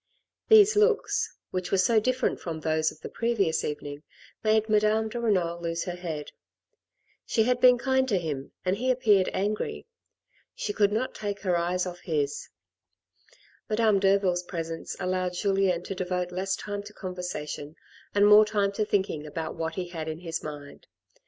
These looks, which were so different from those of the previous evening, made Madame de Renal lose her head ; she had been kind to him and he appeared angry. She could not take her eyes off his. Madame Derville's presence allowed Julien to devote less time to conversation, and more time to thinking about what he had in his mind.